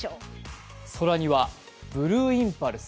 空にはブルーインパルス。